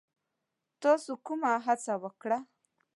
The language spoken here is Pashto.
تاسو کومه هڅه وکړه؟